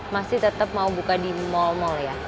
masih tetap mau buka di mall mall ya